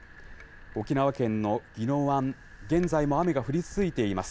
沖縄県の宜野湾、現在も雨が降り続いています。